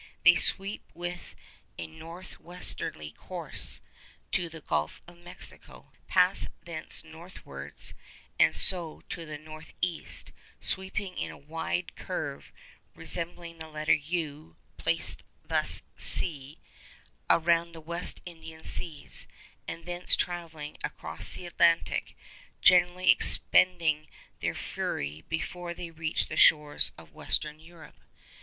They sweep with a north westerly course to the Gulf of Mexico, pass thence northwards, and so to the north east, sweeping in a wide curve (resembling the letter ∪ placed thus ⊂) around the West Indian seas, and thence travelling across the Atlantic, generally expending their fury before they reach the shores of Western Europe.